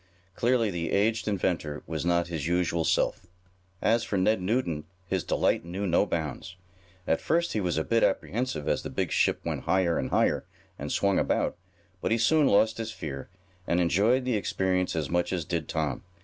Clearly the aged inventor was not his usual self. As for Ned Newton his delight knew no bounds, At first he was a bit apprehensive as the big ship went higher and higher, and swung about, but he soon lost his fear, and enjoyed the experience as much as did Tom.